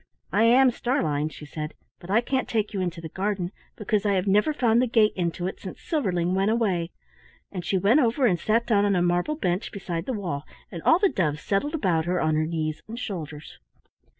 "I am Starlein," she said, "but I can't take you into the garden, because I have never found the gate into it since Silverling went away," and she went over and sat down on a marble bench beside the wall, and all the doves settled about her on her knees and shoulders.